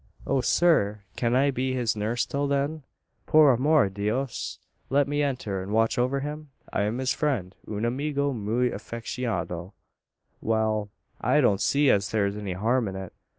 "O, sir! can I be his nurse till then? Por amor dios! Let me enter, and watch over him? I am his friend un amigo muy afficionado." "Wal; I don't see as thur's any harm in it.